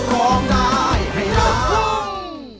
ร้องได้ให้ร้านเพิ่ม